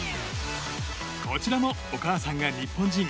こちらもお母さんが日本人。